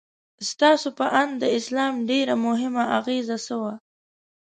ستاسو په اند د اسلام ډېره مهمه اغیزه څه وه؟